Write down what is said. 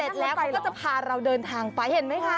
เต็ดแล้วเขาก็จะพาเราเดินทางไปเห็นไหมคะ